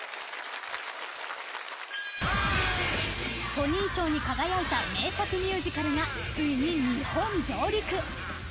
トニー賞に輝いた名作ミュージカルがついに日本上陸。